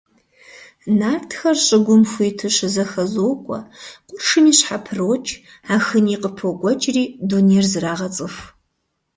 Нартхэр щӀыгум хуиту щызэхэзокӀуэ, къуршми щхьэпрокӀ, Ахыни къыпокӀуэкӀри дунейр зрагъэцӀыху.